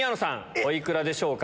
お幾らでしょうか？